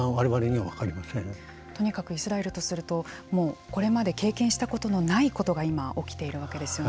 とにかくイスラエルとするともうこれまで経験したことのないことが今、起きているわけですよね。